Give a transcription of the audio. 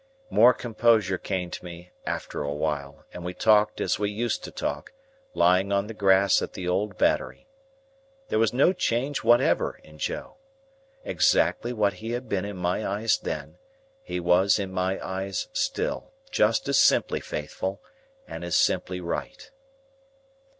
More composure came to me after a while, and we talked as we used to talk, lying on the grass at the old Battery. There was no change whatever in Joe. Exactly what he had been in my eyes then, he was in my eyes still; just as simply faithful, and as simply right.